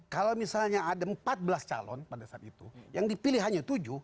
kalau misalnya ada empat belas calon pada saat itu yang dipilih hanya tujuh